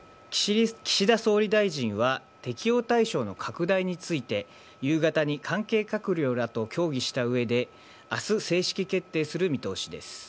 岸田総理大臣は、適用対象の拡大について、夕方に関係閣僚らと協議したうえで、あす、正式決定する見通しです。